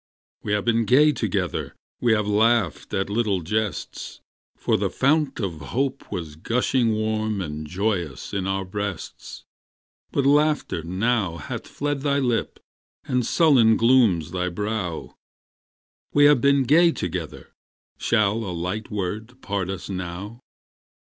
We have been gay together; We have laughed at little jests; For the fount of hope was gushing Warm and joyous in our breasts, But laughter now hath fled thy lip, And sullen glooms thy brow; We have been gay together, Shall a light word part us now?